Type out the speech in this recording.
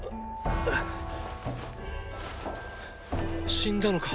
死んだのか？